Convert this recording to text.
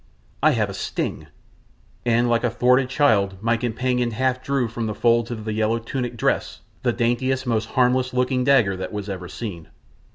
I have a sting," and like a thwarted child my companion half drew from the folds of the yellow tunic dress the daintiest, most harmless looking little dagger that was ever seen.